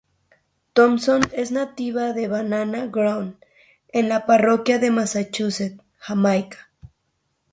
Thompson es nativa de Banana Ground en la parroquia de Manchester, Jamaica.